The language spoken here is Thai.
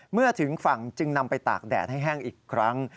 เมื่อถึงฝั่งจึงนำไปตากแดดให้แห้งอีกครั้ง